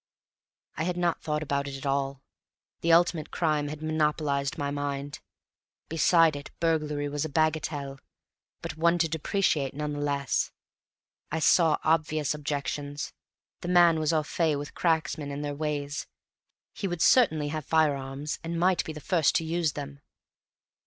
I had not thought about it at all; the ultimate crime had monopolized my mind. Beside it burglary was a bagatelle, but one to deprecate none the less. I saw obvious objections: the man was au fait with cracksmen and their ways: he would certainly have firearms, and might be the first to use them.